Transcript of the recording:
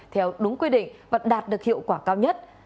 theo đúng quy định và đạt được hiệu quả cao nhất